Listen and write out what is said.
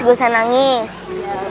gak usah nangis